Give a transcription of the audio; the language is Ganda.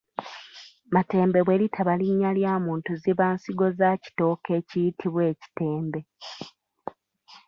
Matembe bwe litaba linnya lya muntu ziba nsigo za kitooke ekiyitibwa ekitembe.